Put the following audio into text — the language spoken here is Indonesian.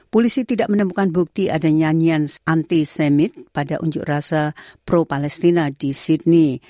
polisi tidak menemukan bukti ada nyanyian antisemmit pada unjuk rasa pro palestina di sydney